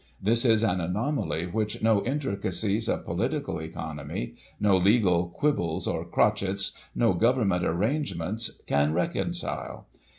This is an anomaly which no intricacies of political economy — no legal quibbles, or crochets — no Government arrangements can reconcile.